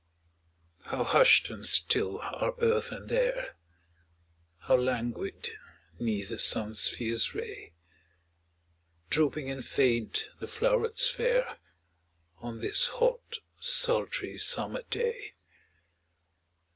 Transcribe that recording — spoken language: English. How hushed and still are earth and air, How languid 'neath the sun's fierce ray Drooping and faint the flowrets fair, On this hot, sultry, summer day!